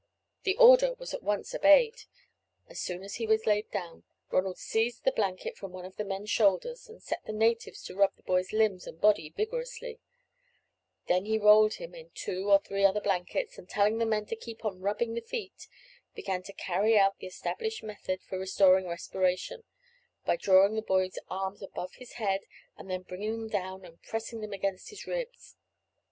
The order was at once obeyed. As soon as he was laid down, Ronald seized the blanket from one of the men's shoulders, and set the natives to rub the boy's limbs and body vigorously; then he rolled him in two or three other blankets, and telling the men to keep on rubbing the feet, began to carry out the established method for restoring respiration, by drawing the boy's arms above his head, and then bringing them down and pressing them against his ribs.